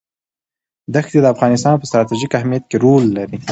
دښتې د افغانستان په ستراتیژیک اهمیت کې رول لري.